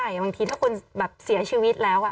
อย่างบางทีถ้าคนแบบเสียชีวิตแล้ว